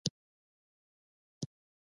خو اخر دي مور خپل کار وکړ !